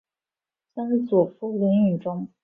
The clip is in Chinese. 曾祖父李允中。